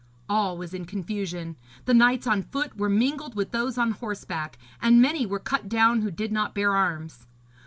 All was in confusion; the knights on foot were mingled with those on horseback, and many were cut down who did not bear arms.